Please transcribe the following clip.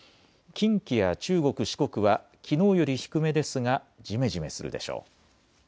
近畿や中国、四国はきのうより低めですがじめじめするでしょう。